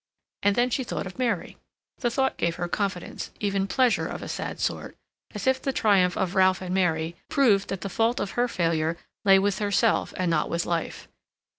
And then she thought of Mary; the thought gave her confidence, even pleasure of a sad sort, as if the triumph of Ralph and Mary proved that the fault of her failure lay with herself and not with life.